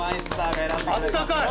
あったかい。